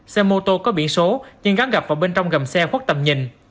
xe mô tô có biển số nhưng gắn gặp vào bên trong gầm xe khuất tầm nhìn